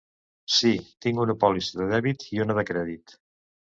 Sí, tinc una pòlissa de dèbit i una de crèdit.